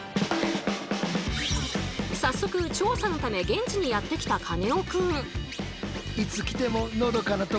早速調査のため現地にやって来たカネオくん。